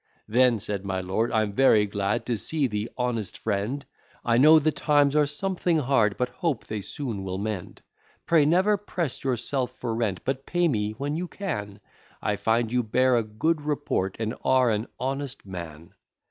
"Then," said my lord, "I'm very glad to see thee, honest friend, I know the times are something hard, but hope they soon will mend, Pray never press yourself for rent, but pay me when you can; I find you bear a good report, and are an honest man."